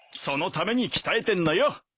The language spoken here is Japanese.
そのために鍛えてんのよ。